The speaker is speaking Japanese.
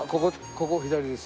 ここを左です。